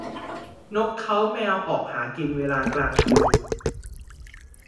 นกเค้าแมวออกหากินเวลากลางคืน